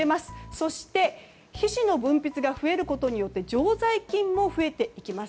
そして皮脂の分泌が増えることによって常在菌も増えていきます。